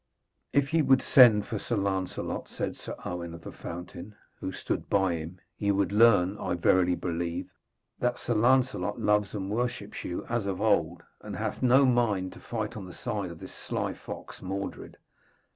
'If ye would send for Sir Lancelot,' said Sir Owen of the Fountain, who stood by him, 'ye would learn, I verily believe, that Sir Lancelot loves and worships you as of old, and hath no mind to fight on the side of this sly fox, Mordred.